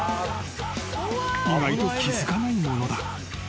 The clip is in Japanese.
［意外と気付かないものだ］